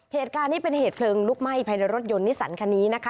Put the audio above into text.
เหตุการณ์นี้เป็นเหตุเพลิงลุกไหม้ภายในรถยนต์นิสันคันนี้นะคะ